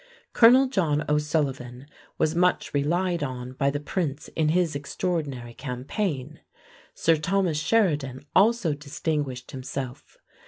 Colonel John O'Sullivan was much relied on by the prince in his extraordinary campaign. Sir Thomas Sheridan also distinguished himself.